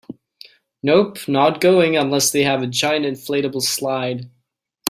Nope, not going unless they have a giant inflatable slide.